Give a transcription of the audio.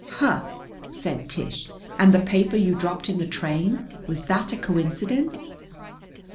"Huh!" said Tish. "And the paper you dropped in the train was that a coincidence?"